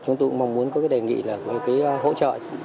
chúng tôi cũng mong muốn có cái đề nghị là cái hỗ trợ